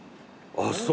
あっそう？